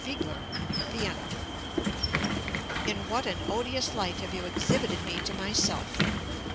WEGELER, VIENNA In what an odious light have you exhibited me to myself!